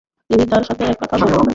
আমি তার সাথে কথা বলবো।